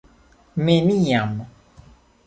Neniam.